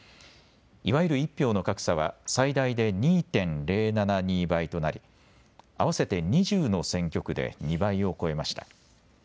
いわゆる１票の格差は最大で２．０７２倍となり合わせて２０の選挙区で２倍を超えました。